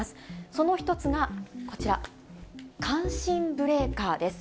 その１つがこちら、感震ブレーカーです。